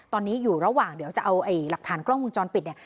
ตอนนี้อยู่ระหว่างเดี๋ยวจะเอาหลักฐานกล้องวงจรปิดเนี่ย